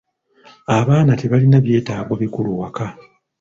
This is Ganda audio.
Abaana tebalina byetaago bikulu waka.